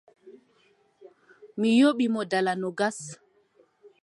Mi yoɓi mo dala noogas.